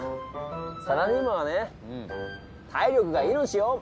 サラリーマンはね体力が命よ。